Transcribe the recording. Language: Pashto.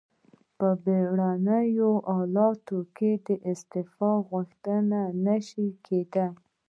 په بیړنیو حالاتو کې د استعفا غوښتنه نشي کیدای.